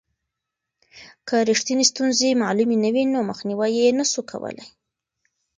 که رښتینې ستونزې معلومې نه وي نو مخنیوی یې نسو کولای.